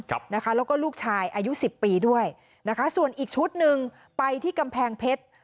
แล้วก็ลูกชายอายุ๑๐ปีด้วยส่วนอีกชุดหนึ่งไปที่กำแพงเพชร